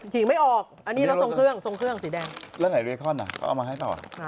ฉีกไม่ออกอันนี้เราทรงเครื่องทรงเครื่องสีแดงแล้วไหนเบคอนอ่ะก็เอามาให้ต่อ